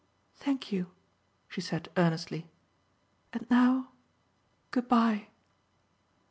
"Thank you," she said earnestly; "and now 'Good bye!'"